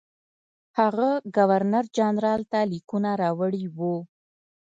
هغه ګورنرجنرال ته لیکونه راوړي وو.